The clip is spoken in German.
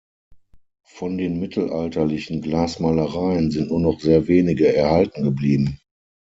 Von den mittelalterlichen Glasmalereien sind nur noch sehr wenige erhalten geblieben.